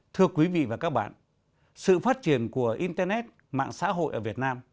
thưa quý vị và các bạn sự phát triển của internet mạng xã hội ở việt nam